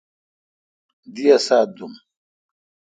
دی اسا ت دوم۔